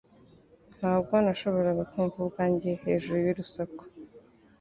Ntabwo nashoboraga kumva ubwanjye hejuru y'urusaku